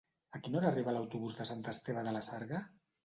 A quina hora arriba l'autobús de Sant Esteve de la Sarga?